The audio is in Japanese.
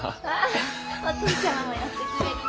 お父ちゃまもやってくれるって。